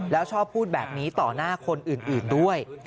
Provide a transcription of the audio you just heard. แล้วชอบพูดแบบนี้ต่อหน้าคนอื่นด้วย